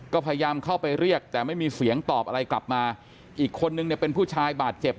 ก็พยายามเข้าไปเรียกแต่ไม่มีเสียงตอบอะไรกลับมาอีกคนนึงเนี่ยเป็นผู้ชายบาดเจ็บ